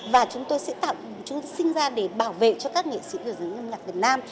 và chúng tôi sẽ tạo chúng sinh ra để bảo vệ cho các nghệ sĩ hướng dẫn âm nhạc việt nam